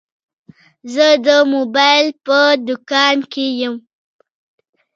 زه د موبایل په دوکان کي یم.